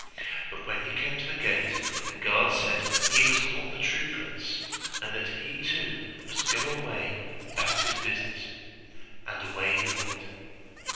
But when he came to the gate the guards said he was not the true prince, and that he too must go away about his business; and away he went.